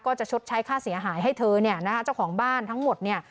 จะชดใช้ค่าเสียหายให้เธอเนี่ยนะคะเจ้าของบ้านทั้งหมดเนี่ย